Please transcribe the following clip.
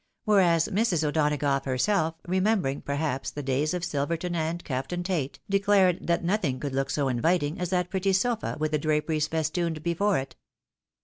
Whereas Mrs. O'Donagough herself, remembering, per haps, the days of Silverton and Captain Tate, declared that 866 THE WIDOW MAEEIED. nothing could look so inviting as that pretty sofa with the dra peries festooned before it.